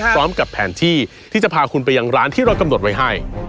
พร้อมกับแผนที่ที่จะพาคุณไปยังร้านที่เรากำหนดไว้ให้